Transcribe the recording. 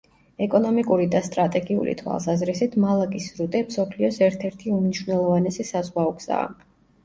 ეკონომიკური და სტრატეგიული თვალსაზრისით, მალაკის სრუტე მსოფლიოს ერთ-ერთი უმნიშვნელოვანესი საზღვაო გზაა.